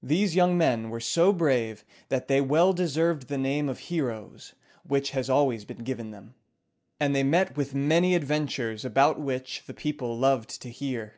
These young men were so brave that they well deserved the name of heroes, which has always been given them; and they met with many adventures about which the people loved to hear.